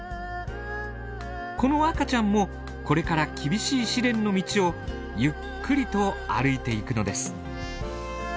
この赤ちゃんもこれから厳しい試練の道をゆっくりと歩いていくのです。